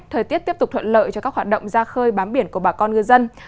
thời tiết tiếp tục thuận lợi cho các hoạt động ra khơi bám biển của bà con ngư dân